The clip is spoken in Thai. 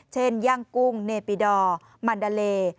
ย่างกุ้งเนปิดอร์มันดาเล